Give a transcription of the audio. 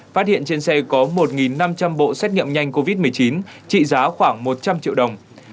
phát hiện trên xe có một năm trăm linh bộ xét nghiệm nhanh covid một mươi chín trị giá khoảng một trăm linh triệu đồng